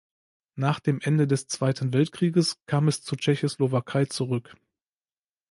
Nach dem Ende des Zweiten Weltkrieges kam es zur Tschechoslowakei zurück.